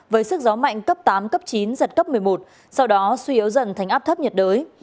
với sức gió mạnh cấp tám cấp chín giật cấp một mươi một sau đó suy yếu dần thành áp thấp nhiệt đới